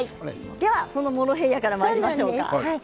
そのモロヘイヤからまいりましょうか。